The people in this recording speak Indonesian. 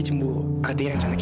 oke jangan ya pak